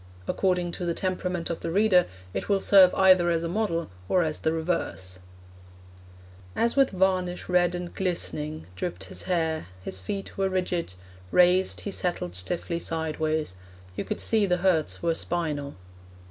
According to the temperament of the reader, it will serve either as a model or as the reverse: As with varnish red and glistening Dripped his hair; his feet were rigid; Raised, he settled stiffly sideways: You could see the hurts were spinal.